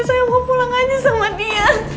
saya mau pulang aja sama dia